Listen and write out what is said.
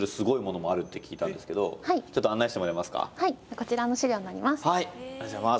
こちらの史料になります。